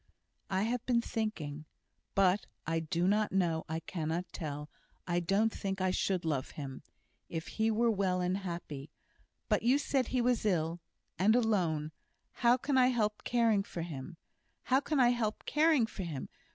"I have been thinking but I do not know I cannot tell I don't think I should love him, if he were well and happy but you said he was ill and alone how can I help caring for him? how can I help caring for him?"